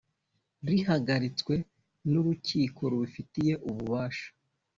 rihagaritswe n urukiko rubifitiye ububasha